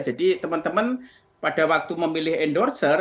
jadi teman teman pada waktu memilih endorser